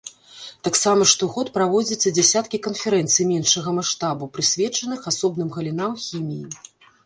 Таксама штогод праводзяцца дзясяткі канферэнцый меншага маштабу, прысвечаных асобным галінам хіміі.